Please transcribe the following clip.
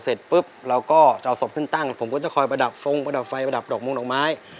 เสร็จปุ๊บเราก็จะเอาศพขึ้นตั้งผมก็จะคอยประดับทรงประดับไฟประดับดอกมงดอกไม้